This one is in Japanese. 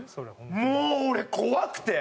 もう俺怖くて。